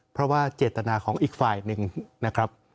เพราะว่าเจตนาของอีกฝ่ายหนึ่งนะครับ